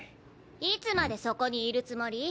いつまでそこにいるつもり？